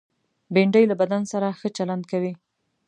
بېنډۍ له بدن سره ښه چلند کوي